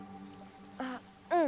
あっうん。